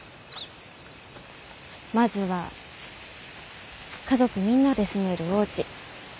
まずは家族みんなで住めるおうち。